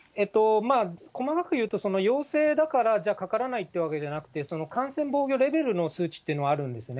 細かく言うと、陽性だから、じゃあかからないというわけじゃなくて、感染防御レベルの数値というのがあるんですね。